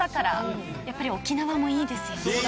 やっぱり沖縄もいいですよね。